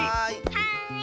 はい。